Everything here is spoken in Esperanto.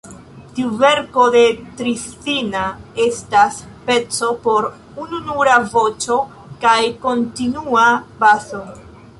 Tiu verko de Trissina estas peco por ununura voĉo kaj kontinua baso.